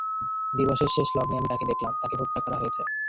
দিবসের শেষ লগ্নে আমি তাকে দেখলাম, তাকে হত্যা করা হয়েছে।